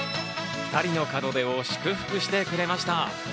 ２人の門出を祝福してくれました。